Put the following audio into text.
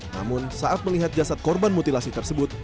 namun saat melihat jasad korban mutilasi tersebut